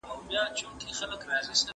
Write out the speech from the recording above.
ناروغۍ د ناسالمې تغذیې پایله ده.